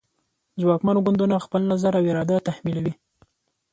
ځواکمن ګوندونه خپل نظر او اراده تحمیلوي